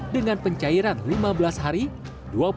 dengan pencairan lima belas hari